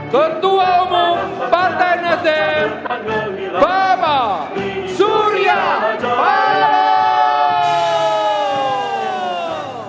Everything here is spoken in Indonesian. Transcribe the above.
ketua umum partai nasdem bapak surya pala